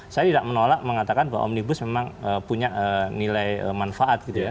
saya tidak menolak mengatakan bahwa omnibus memang punya nilai manfaat gitu ya